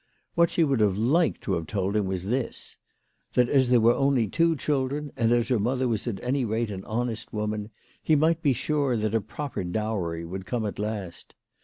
What she would have liked to have told him was this, that as there were only two children, and as her mother was at any rate an honest woman, he might be sure that a proper dowry would come at last.